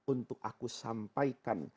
untuk aku sampaikan